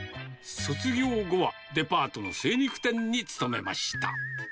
卒業後は、デパートの精肉店に勤めました。